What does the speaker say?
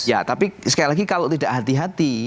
ya tapi sekali lagi kalau tidak hati hati